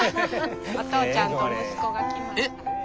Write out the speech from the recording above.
お父ちゃんと息子が来ました。